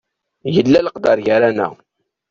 Yella leqder gar-aneɣ.